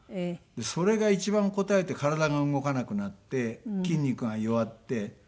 それが一番こたえて体が動かなくなって筋肉が弱って。